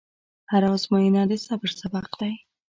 هره ازموینه د صبر سبق دی.